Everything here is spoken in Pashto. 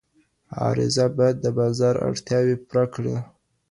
عرضه باید د بازار اړتیاوې پوره کړي.